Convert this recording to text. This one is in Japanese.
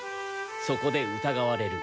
そこで疑われる。